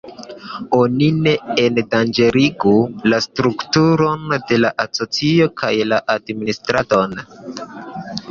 Oni ne endanĝerigu la strukturon de la asocio kaj la administradon.